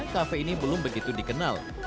kafe ini belum begitu dikenal